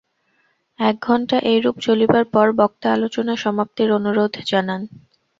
এক ঘণ্টা এইরূপ চলিবার পর বক্তা আলোচনা সমাপ্তির অনুরোধ জানান।